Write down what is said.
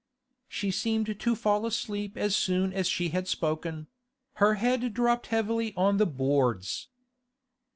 She seemed to fall asleep as soon as she had spoken; her head dropped heavily on the boards.